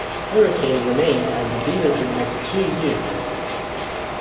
"Hurricane" remained as the leader for the next two years.